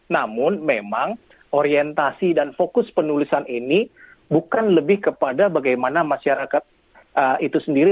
namun memang orientasi dan fokus penulisan ini bukan lebih kepada bagaimana masyarakat itu sendiri